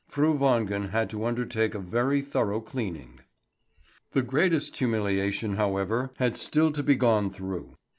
Fru Wangen had to undertake a very thorough cleaning. The greatest humiliation, however, had still to be gone through.